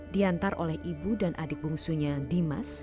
diantar oleh ibu dan adik bungsunya dimas